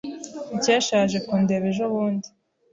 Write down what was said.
Mukesha yaje kundeba ejobundi.